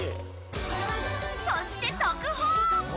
そして特報。